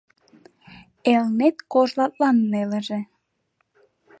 Элнет кожлатлан нелыже